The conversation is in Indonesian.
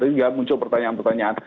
tidak muncul pertanyaan pertanyaan